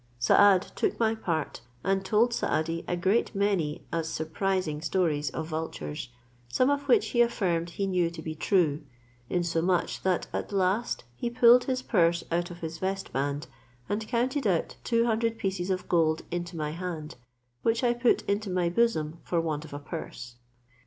Saad took my part, and told Saadi a great many as surprising stories of vultures, some of which he affirmed he knew to be true, insomuch that at last he pulled his purse out of his vestband, and counted out two hundred pieces of gold into my hand, which I put into my bosom for want of a purse.